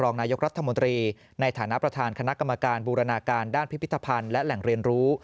นายกรัฐมนตรีในฐานะประธานคณะกรรมการบูรณาการด้านพิพิธภัณฑ์และแหล่งเรียนรู้